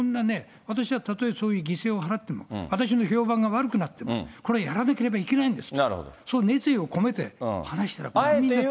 私はたとえそういう犠牲を払っても、私の評判が悪くなっても、これはやらなければいけないんですと、その熱意を込めて話したら国民だって。